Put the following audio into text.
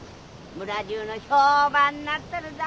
村中の評判になっとるぞ。